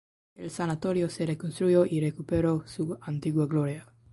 El Sanatorio se reconstruyó y recuperó su antigua gloria.